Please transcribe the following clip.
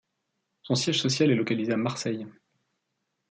Son siège social est localisé à Marseille.